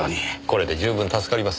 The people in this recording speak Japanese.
これで十分助かります。